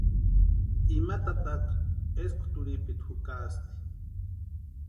Ima tataka eskwa turhipiti jukaasti.